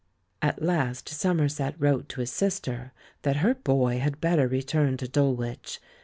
At last Somerset wrote to his sister that her boy had better return to Dulwich.